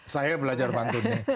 saya belajar pantunnya